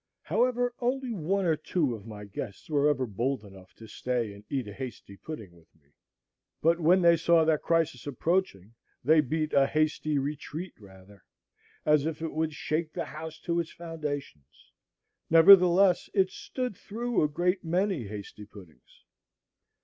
However, only one or two of my guests were ever bold enough to stay and eat a hasty pudding with me; but when they saw that crisis approaching they beat a hasty retreat rather, as if it would shake the house to its foundations. Nevertheless, it stood through a great many hasty puddings.